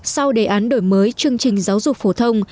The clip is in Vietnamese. sau đề án đổi mới chương trình giáo dục phổ thông